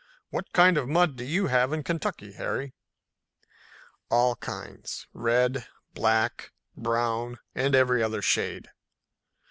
What kind of mud do you have in Kentucky, Harry?" "All kinds, red, black, brown and every other shade."